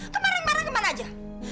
kemarang marang ke mana aja